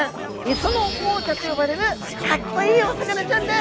磯の王者と呼ばれるかっこいいお魚ちゃんです。